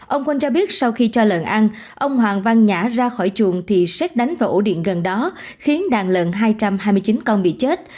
ông quân cho biết sau khi cho lợn ăn ông hoàng văn nhã ra khỏi chuồng thì xét đánh vào ổ điện gần đó khiến đàn lợn hai trăm hai mươi chín con bị chết